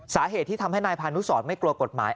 สาเหตุที่ทำให้นายพานุสรไม่กลัวกฎหมาย